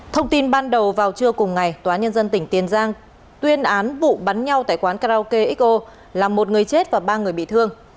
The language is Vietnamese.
thông tin ban đầu vào trưa cùng ngày tòa nhân dân tỉnh tiền giang tuyên án vụ bắn nhau tại quán karaoke xo làm một người chết và ba người bị thương